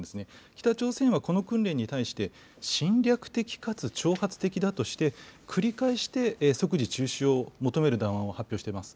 北朝鮮はこの訓練に対して、侵略的かつ挑発的だとして、繰り返して即時中止を求める談話を発表しています。